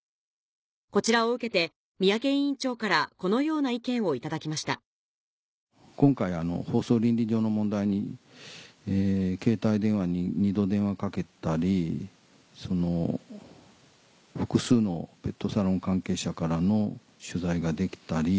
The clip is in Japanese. こちらを受けて三宅委員長からこのような意見を頂きました今回放送倫理上の問題に携帯電話に２度電話をかけたり複数のペットサロン関係者からの取材ができたり。